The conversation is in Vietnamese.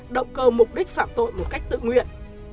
động cơ mục đích phạm tội một cách tự nguyện